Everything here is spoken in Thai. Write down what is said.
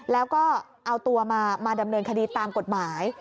แล้วก็เอาตัวมาดำเนินคดีตามกฎหมาย